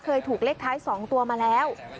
เคยถูกเลขท้าย๒ตัวมาแล้ว